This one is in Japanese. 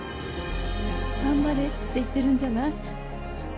頑張れって言ってるんじゃない？